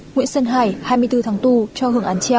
nguyễn sơn hải hai mươi bốn tháng tù cho hưởng án treo